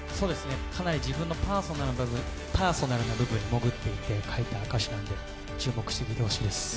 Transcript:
かなり自分のパーソナルな部分に潜っていって書いた歌詞なので注目して聴いてほしいです。